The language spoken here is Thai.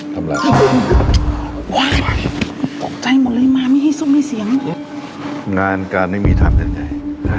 ขวังใจหมดเลยมาไม่ให้ซุปไม่เสียงงานการไม่มีเศร้าแดงใจฮะ